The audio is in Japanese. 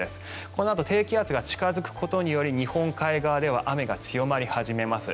このあと低気圧が近付くことにより日本海側では雨が強まり始めます。